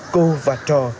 cô và trò